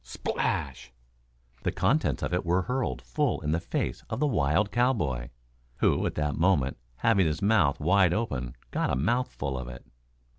Splash! The contents of it were hurled full in the face of the wild cowboy, who at that moment, having his mouth wide open, got a mouthful of it.